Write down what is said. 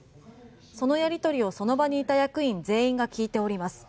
そのやり取りをその場にいた役員全員が聞いております。